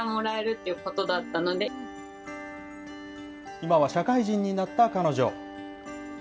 今は社会人になった彼女。